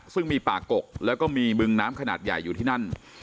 ซึ่งมีป่ากกแล้วก็มีบึงน้ำขนาดใหญ่อยู่ที่นั่น